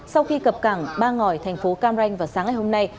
sau khi cập cảng ba ngỏi thành phố cam ranh vào sáng ngày hôm nay